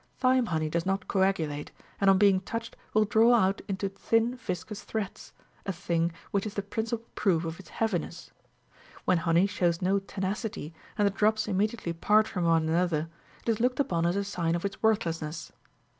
Thyme honey does not coagulate, and on being touched will draw out into thin viscous threads, a thing which is the principal proof of its heaviness. When honey shows no tenacity, and the drops immediately part from one another, it is looked upon as a sign of its worthless ness.